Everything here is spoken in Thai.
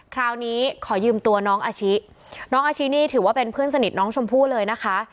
คราวนี้ขอยืมตัวน้องอาชิน้องอาชินี่ถือว่าเป็นเพื่อนสนิทน้องชมพู่เลยนะคะ